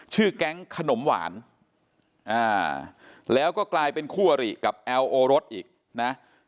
ชื่อแก๊งขนมหวานแล้วก็กลายเป็นคู่อริกับแอลโอรสอีกนะ